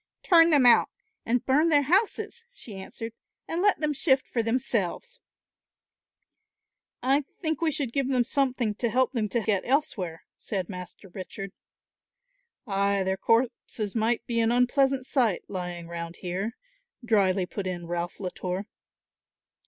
"Turn them out and burn their houses," she answered, "and let them shift for themselves." "I think we should give them something to help them to get elsewhere," said Master Richard. "Ay, their corpses might be an unpleasant sight, lying round here," dryly put in Ralph Latour.